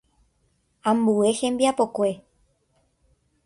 Ambue hembiapokue.